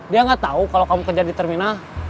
dia gak tau kalau kamu kerja di terminal